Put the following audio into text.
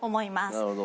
なるほど。